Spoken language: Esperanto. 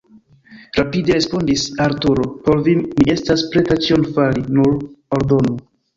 rapide respondis Arturo: por vi mi estas preta ĉion fari, nur ordonu!